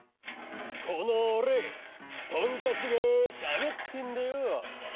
・このおれトンカチがしゃべってんだよ！